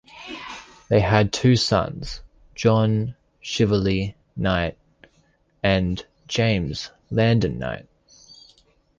They had two sons, John Shively Knight and James Landon Knight.